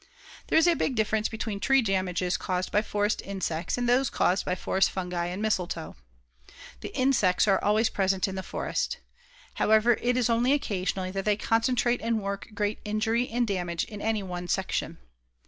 There is a big difference between tree damages caused by forest insects and those caused by forest fungi and mistletoe. The insects are always present in the forest. However, it is only occasionally that they concentrate and work great injury and damage in any one section.